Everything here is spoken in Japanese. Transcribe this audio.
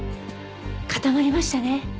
固まりましたね。